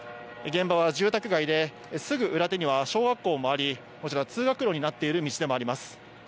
現場は住宅街で、すぐ裏手には小学校もあり、こちら、通学路になっている道でもあります。